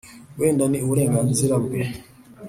wenda ni uburenganzira bwe,